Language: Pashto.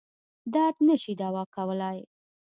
درد نه شي دوا کولای.